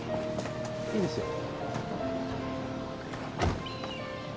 いいですよ